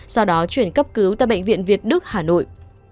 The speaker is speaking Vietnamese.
sau đó chuyển cấp cứu tại bệnh viện việt đức hà nội